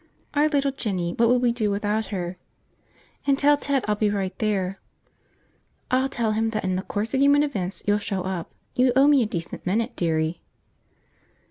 "Our little Jinny, what would we do without her." "And tell Ted I'll be right there." "I'll tell him that in the course of human events you'll show up. You owe me a decent minute, dearie."